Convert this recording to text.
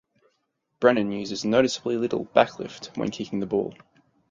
Brennan uses noticeably little back lift when kicking the ball.